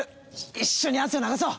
一緒に汗を流そう。